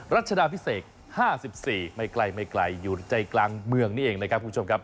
รัชดาพิเศษ๕๔ไม่ใกล้ไม่ไกลอยู่ใจกลางเมืองนี่เองนะครับคุณผู้ชมครับ